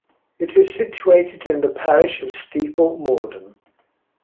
It is situated in the parish of Steeple Morden.